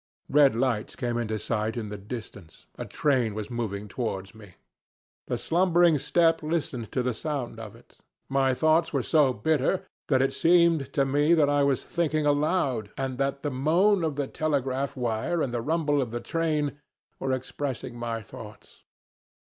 Red lights came into sight in the distance. A train was moving towards me. The slumbering steppe listened to the sound of it. My thoughts were so bitter that it seemed to me that I was thinking aloud and that the moan of the telegraph wire and the rumble of the train were expressing my thoughts.